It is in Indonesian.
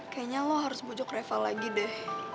kayaknya lo harus bujuk reva lagi deh